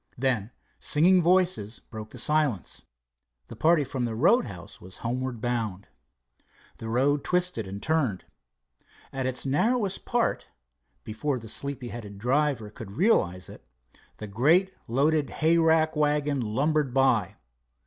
Then singing voices broke the silence. The party from the roadhouse was homeward bound. The road twisted and turned. At its narrowest part, before the sleepy headed driver could realize it, the great loaded hayrack wagon lumbered by.